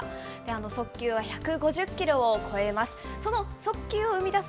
速球は１５０キロを超えます。